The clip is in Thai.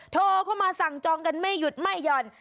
โทรเข้ามาสั่งจองกันไม่หยุดไม่หย่อน